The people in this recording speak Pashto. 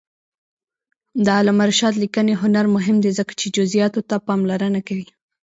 د علامه رشاد لیکنی هنر مهم دی ځکه چې جزئیاتو ته پاملرنه کوي.